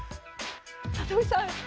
里見さん。